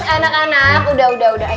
anak anak udah udah